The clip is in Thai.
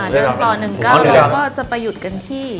เดินต่อ๑เก้าเราก็จะไปหยุดกันที่